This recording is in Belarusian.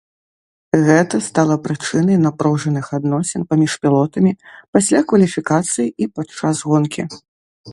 Гэта стала прычынай напружаных адносін паміж пілотамі пасля кваліфікацыі і падчас гонкі.